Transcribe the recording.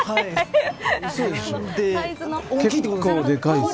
結構でかいですね。